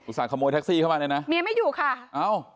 อุตส่าห์ขโมยแท็กซี่เข้ามาเลยนะเมียไม่อยู่ค่ะอ้าว